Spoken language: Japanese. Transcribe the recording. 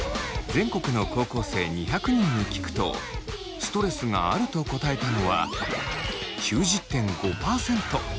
全国の高校生２００人に聞くとストレスが「ある」と答えたのは９０．５％。